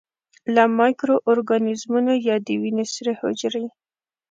لکه مایکرو ارګانیزمونه یا د وینې سرې حجرې.